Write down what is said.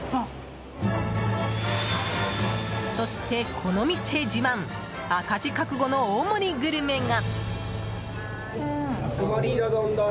そして、この店自慢赤字覚悟の大盛りグルメが。